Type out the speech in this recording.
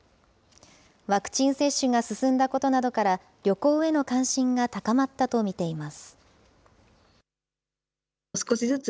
ワクチン接種が進んだことなどから、旅行への関心が高まったと見ています。